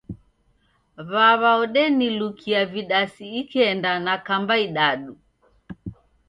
W'aw'a udenilukia vidasi ikenda na kamba idadu.